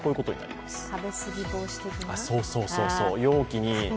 食べすぎ防止的な？